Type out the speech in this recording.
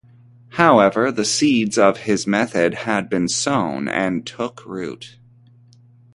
However the seeds of his method had been sown, and took root.